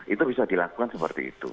itu bisa dilakukan seperti itu